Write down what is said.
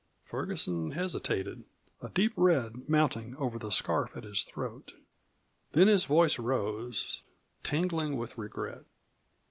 Ferguson hesitated, a deep red mounting over the scarf at his throat. Then his voice rose, tingling with regret.